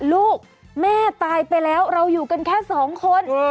ลูกแม่ตายไปแล้วเราอยู่กันแค่สองคน